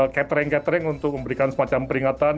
kettering kettering untuk memberikan semacam peringatan